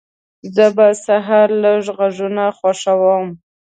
زه په سهار لږ غږونه خوښوم.